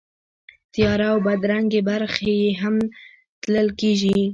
تیاره او بدرنګې برخې یې هم تلل کېږي.